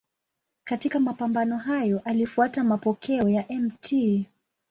Katika mapambano hayo alifuata mapokeo ya Mt.